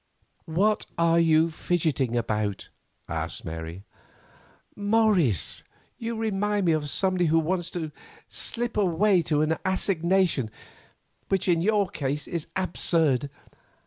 "What are you fidgeting about?" asked Mary. "Morris, you remind me of somebody who wants to slip away to an assignation, which in your case is absurd.